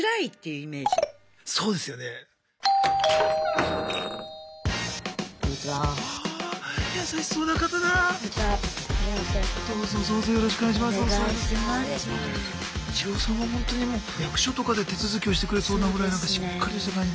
イチローさんはほんとにもう役所とかで手続きをしてくれそうなぐらいしっかりした感じ。